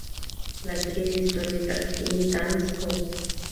La serie de historietas Teen Titans Go!